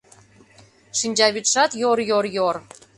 Шинчавӱдшат - йор-йор-йор.